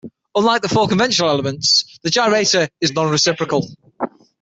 Unlike the four conventional elements, the gyrator is non-reciprocal.